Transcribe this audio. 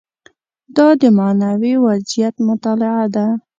دا د معنوي وضعیت مطالعه ده.